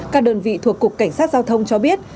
các đơn vị thuộc cục cảnh sát giao thông cho biết